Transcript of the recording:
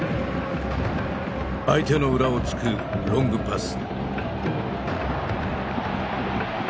相手の裏をつくロングパス。